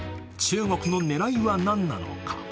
中国の狙いは何なのか。